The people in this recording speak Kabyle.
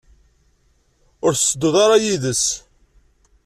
Ur tettedduḍ ara yid-s?